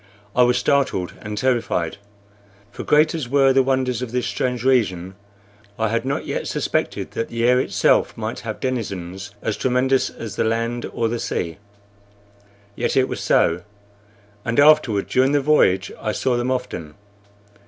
I was startled and terrified; for, great as were the wonders of this strange region, I had not yet suspected that the air itself might have denizens as tremendous as the land or the sea. Yet so it was, and afterward during the voyage I saw them often.